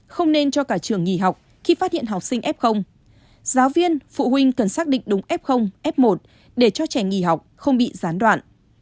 không nên cho cả trường nghỉ học khi phát hiện học sinh f giáo viên phụ huynh cần xác định đúng f f một để cho trẻ nghỉ học không bị gián đoạn